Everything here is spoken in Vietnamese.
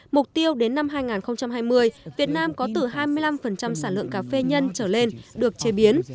mục tiêu đến năm hai nghìn hai mươi việt nam có từ hai mươi năm sản lượng cà phê nhân trở lên được chế biến